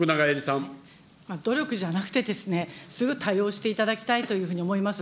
努力じゃなくてですね、すぐ対応していただきたいというふうに思います。